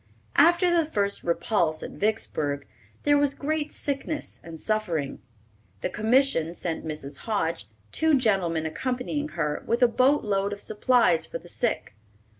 After the first repulse at Vicksburg, there was great sickness and suffering. The Commission sent Mrs. Hoge, two gentlemen accompanying her, with a boat load of supplies for the sick.